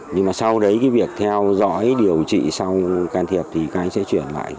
nhưng mà sau đấy cái việc theo dõi điều trị xong can thiệp thì các anh sẽ chuyển lại